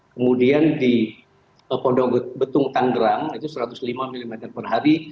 kemudian di pondok betung tanggerang itu satu ratus lima mm per hari